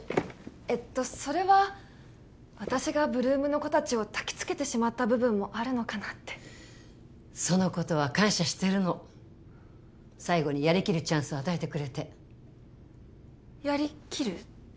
えっとそれは私が８ＬＯＯＭの子達をたきつけてしまった部分もあるのかなってそのことは感謝してるの最後にやりきるチャンスを与えてくれてやりきる？